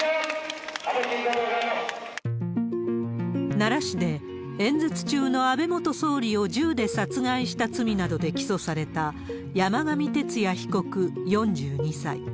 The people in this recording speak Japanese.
奈良市で、演説中の安倍元総理を銃で殺害した罪などで起訴された、山上徹也被告４２歳。